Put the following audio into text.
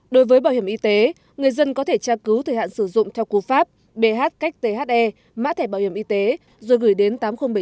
đối với bảo hiểm y tế người dân có thể tra cứu thời hạn sử dụng theo cú pháp bh qqthe mã thẻ bảo hiểm y tế rồi gửi đến tám nghìn bảy mươi